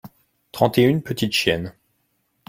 trente et une petites chiennes.